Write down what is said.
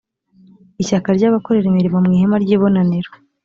ishyaka ry’abakorera imirimo mu ihema ry’ibonaniro